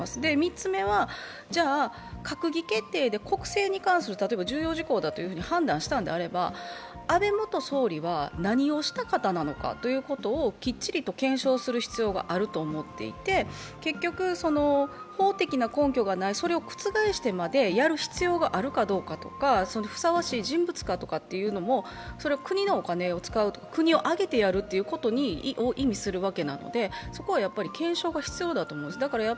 ３つ目は閣議決定で国葬に関すること例えば重要事項だと判断したのであれば、安倍元総理は何をした方なのかということをきっちりと検証する必要があると思っていて、結局、法的な根拠がない、それを覆してまでやる必要があるかとかふさわしい人物かというのも、国のお金を使うと、国を挙げてやるということを意味することなのでそこは検証が必要だと思います。